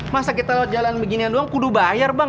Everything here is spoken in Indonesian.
masa kita jalan beginian doang kudu bayar bang